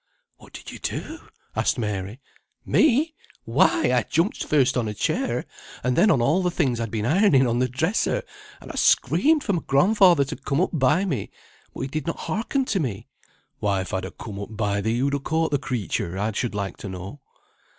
"What did you do?" asked Mary. "Me! why, I jumped first on a chair, and then on all the things I'd been ironing on the dresser, and I screamed for grandfather to come up by me, but he did not hearken to me." "Why, if I'd come up by thee, who'd ha' caught the creature, I should like to know?"